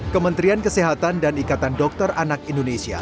kementerian kesehatan dan ikatan dokter anak indonesia